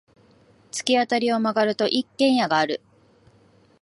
突き当たりを曲がると、一軒家がある。